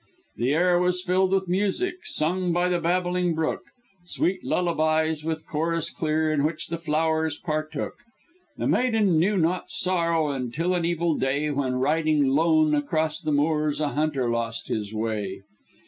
"The air was filled with music Sung by the babbling brook. Sweet lullabies with chorus clear In which the flowers partook. "This maiden knew not sorrow, Until an evil day; When riding lone across the moors, A hunter lost his way.